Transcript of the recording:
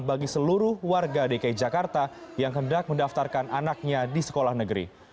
bagi seluruh warga dki jakarta yang hendak mendaftarkan anaknya di sekolah negeri